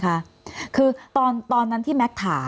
พี่เรื่องมันยังไงอะไรยังไง